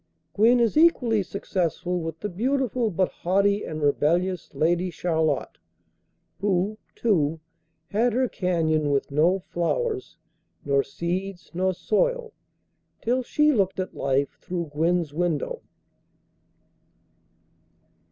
Gwen is equally successful with the beautiful but haughty and rebellious Lady Charlotte, who, too, had her canyon, with no flowers, nor seeds, nor soil, till she looked at life through Gwen's window.